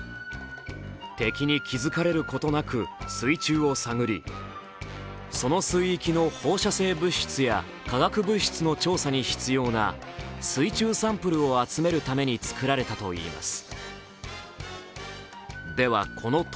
敵に気づかれることなく水中を探り、その水域の放射性物質や化学物質の調査に必要な水中サンプルを集めるために作られたといいます。